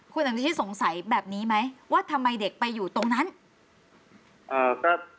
คุณอนุชิตสงสัยแบบนี้ไหมว่าทำไมเด็กไปอยู่ตรงนั้นอ่าครับ